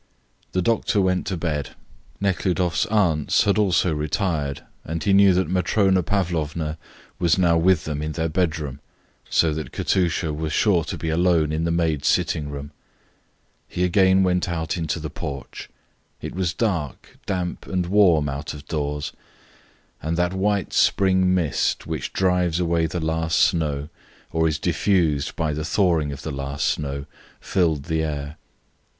The doctor went to bed. Nekhludoff's aunts had also retired, and he knew that Matrona Pavlovna was now with them in their bedroom so that Katusha was sure to be alone in the maids' sitting room. He again went out into the porch. It was dark, damp and warm out of doors, and that white spring mist which drives away the last snow, or is diffused by the thawing of the last snow, filled the air.